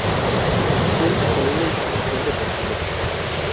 Cuenta con una institución deportiva.